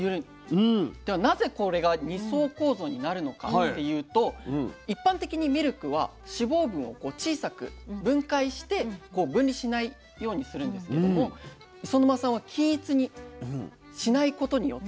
ではなぜこれが二層構造になるのかっていうと一般的にミルクは脂肪分を小さく分解して分離しないようにするんですけども磯沼さんは均一にしないことによってその工程をしないことによって